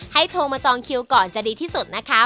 โทรมาจองคิวก่อนจะดีที่สุดนะคะ